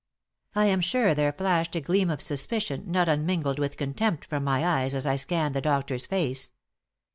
I am sure there flashed a gleam of suspicion, not unmingled with contempt, from my eyes as I scanned the doctor's face.